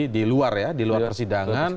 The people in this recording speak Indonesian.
di luar ya di luar persidangan